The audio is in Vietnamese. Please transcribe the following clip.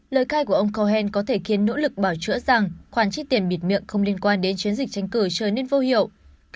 lời cai của ông cohen có thể khiến nỗ lực bảo chữa rằng khoản trích tiền bịt miệng không liên quan đến chiến dịch tranh cử trở nên vô hiệu